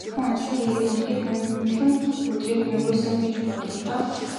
Эр хүн ажил дээрээ үнэхээр хүндхэн өдрийг өнгөрөөсөн гэж бодъё л доо.